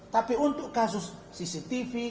tapi untuk kasus cctv